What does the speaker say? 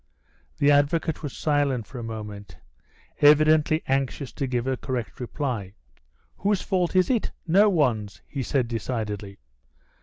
The advocate was silent for a moment, evidently anxious to give a correct reply. "Whose fault is it? No one's," he said, decidedly.